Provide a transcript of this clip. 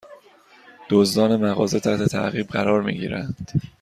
دزدان مغازه تحت تعقیب قرار می گیرند